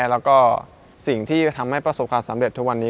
แล้วก็สิ่งที่จะทำให้ประสบความสำเร็จทุกวันนี้